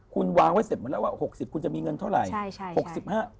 คุณวางไว้เสร็จหมดแล้วว่า๖๐คุณจะมีเงินเท่าไหร่